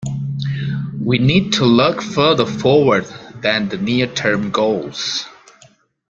We need to look further forward than the near-term goals